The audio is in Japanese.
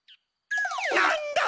なんだと！？